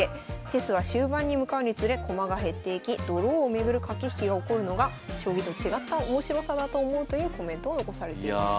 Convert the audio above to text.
チェスは終盤に向かうにつれ駒が減っていきドローを巡る駆け引きが起こるのが将棋と違った面白さだと思うというコメントを残されています。